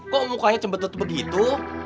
kok mukanya cembetet begitu